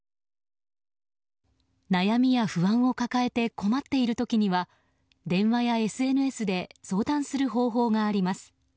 悩みや不安を抱えて困っている時には電話やＳＮＳで相談する方法があります。